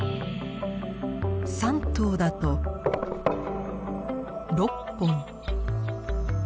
３頭だと６本。